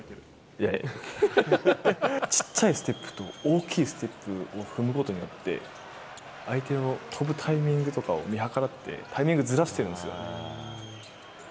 ちっちゃいステップと大きいステップを踏むことによって、相手の跳ぶタイミングを見計らってずらしてますよね。